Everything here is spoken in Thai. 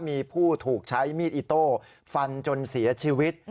มีผู้ถูกใช้มีดอิโต้ฟันจนเสียชีวิต